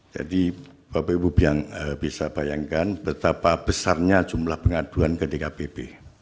jadi bapak ibu bisa bayangkan betapa besarnya jumlah pengaduan ketika pb